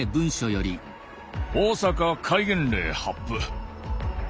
「大阪戒厳令発布。